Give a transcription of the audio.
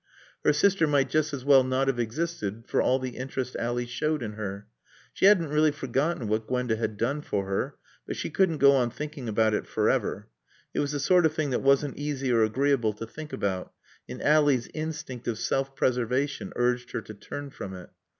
Her sister might just as well not have existed for all the interest Ally showed in her. She hadn't really forgotten what Gwenda had done for her, but she couldn't go on thinking about it forever. It was the sort of thing that wasn't easy or agreeable to think about and Ally's instinct of self preservation urged her to turn from it.